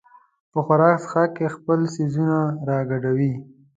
په خوراک څښاک کې خپل څیزونه راګډوي.